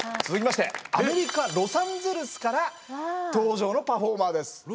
続きましてアメリカ・ロサンゼルスから登場のパフォーマーです。